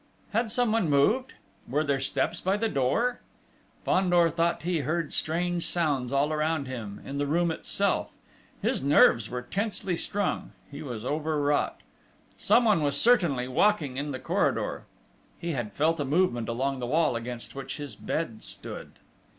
Had someone moved? Were there steps by the door?... Fandor thought he heard strange sounds all around him, in the room itself! His nerves were tensely strung: he was overwrought. Someone was certainly walking in the corridor!... He had felt a movement along the wall against which his bed stood!